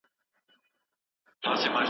ته په الفاظو کې رنگونه کرې